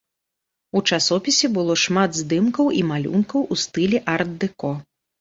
У часопісе было шмат здымкаў і малюнкаў у стылі арт-дэко.